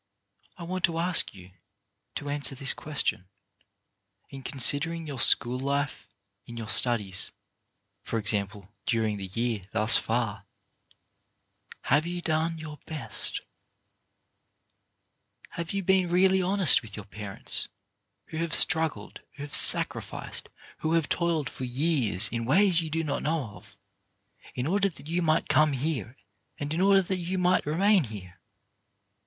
I want to ask you to answer this question, In considering your school life — in your studies, for example — during the year, thus far, have you done your best ? 43 44 CHARACTER BUILDING Have you been really honest with your parents, who have struggled, who have sacrificed, who have toiled for years, in ways you do not know of, in order that you might come here, and in order that you might remain here?